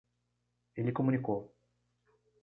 Ele comunicou.